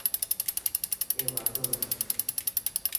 اي واڍو هي.